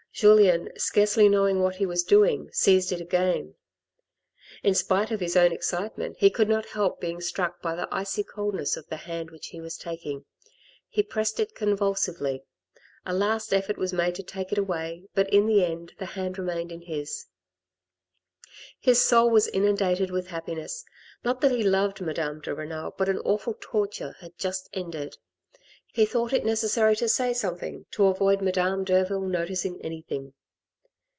Julien, scarcely knowing what he was doing, seized it again. In spite of his own excitement, he could not help being struck by the icy coldness of the hand which he was taking ; he pressed it convulsively ; a last effort was made to take it away, but in the end the hand remained in his. His soul was inundated with happiness, not that he loved Madame de Renal, but an awful torture had just ended. He thought it necessary to say something, to avoid Madame Derville noticing anything.